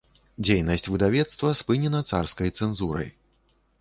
Дзейнасць выдавецтва спынена царскай цэнзурай.